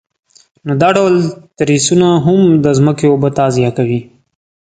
نو دا ډول تریسونه هم د ځمکې اوبه تغذیه کوي.